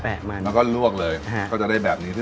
แปะมันแล้วก็ลวกเลยเขาจะได้แบบนี้